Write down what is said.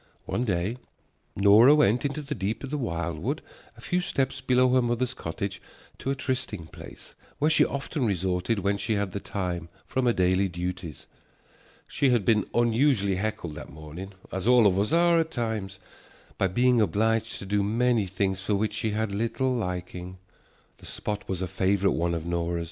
One day Nora went into the deep of the wildwood a few steps below her mother's cottage to a trysting place where she often resorted when she had the time from her daily duties. She had been unusually heckled that morning, as all of us are at times, by being obliged to do many things for the which she had little liking. The spot was a favorite one of Nora's.